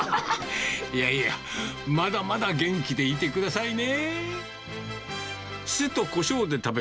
いやいや、まだまだ元気でいてくださいね。